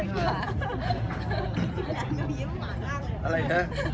แม่กับผู้วิทยาลัย